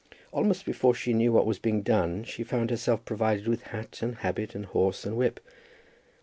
Almost before she knew what was being done she found herself provided with hat and habit and horse and whip.